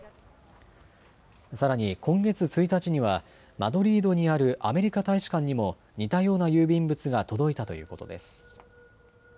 さらに今月１日にはマドリードにあるアメリカ大使館にも似たような郵便物が届いたということです。